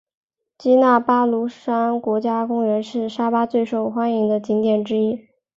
基纳巴卢山国家公园是沙巴最受欢迎的景点之一。